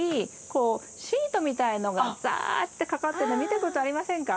こうシートみたいのがざってかかってるの見たことありませんか？